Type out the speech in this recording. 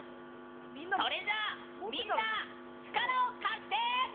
それじゃあ、みんな力を貸して！